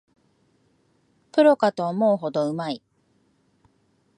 プロかと思うほどうまい